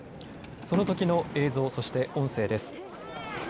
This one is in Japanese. そのときの映像、そして音声です。